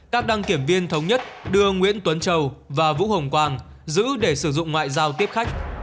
các đăng kiểm viên thống nhất đưa nguyễn tuấn châu và vũ hồng quang giữ để sử dụng ngoại giao tiếp khách